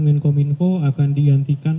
menko menko akan digantikan